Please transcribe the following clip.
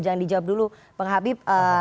jangan dijawab dulu bang habib